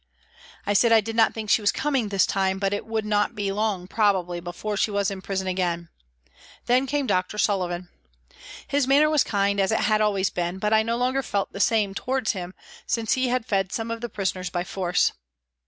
I said I did not think she was coming this time, but it would not be long probably before she was in prison again. Then came Dr. Sullivan. His manner was kind, as it had always been, but I no longer felt the same towards him since he had fed some of the prisoners by force.